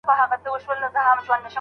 زوی اوس نه ژاړي.